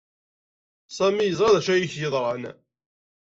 Sami yeẓra d acu ay ak-yeḍran.